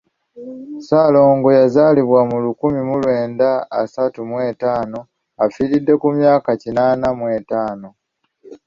Ssaalongo yazaalibwa mu lukumi mu lwenda asatu mu ttaano afiiridde ku myaka kinaana mu etaano.